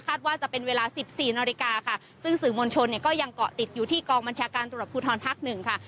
ว่าจะเป็นเวลาสิบสี่นาฬิกาค่ะซึ่งสื่อมวลชนเนี่ยก็ยังเกาะติดอยู่ที่กองบัญชาการตรวจภูทรภาคหนึ่งค่ะ